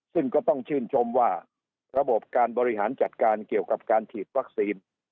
ซึ่งก็ต้องชื่นชมว่าระบบการบริหารจัดการเกี่ยวกับการฉีดวัคซีน